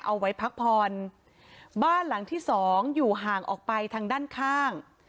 เอาไว้พักผ่อนบ้านหลังที่สองอยู่ห่างออกไปทางด้านข้าง